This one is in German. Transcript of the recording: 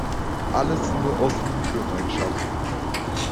Alles nur aus Liebe, mein Schatz!